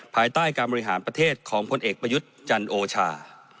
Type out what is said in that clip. ภายใต้การบริหารประเทศของพลเอกประยุทธ์จันโอชา